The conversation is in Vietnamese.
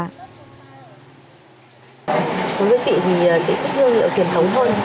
của với chị thì chị thích hương liệu truyền thống hơn